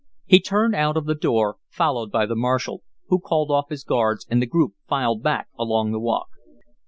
He turned out of the door, followed by the marshal, who called off his guards, and the group filed back along the walk.